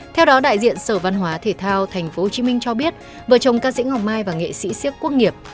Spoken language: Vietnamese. theo đó đại diện sở văn hóa thể thao tp hcm cho biết vợ chồng ca sĩ ngọc mai và nghệ sĩ siếc quốc nghiệp